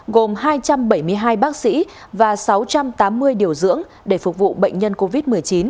gồm hai trăm bảy mươi hai bác sĩ và sáu trăm tám mươi điều dưỡng để phục vụ bệnh nhân covid một mươi chín